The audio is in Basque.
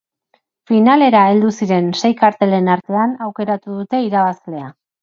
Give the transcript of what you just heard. Finalera heldu ziren sei kartelen artean aukeratu dute irabazlea.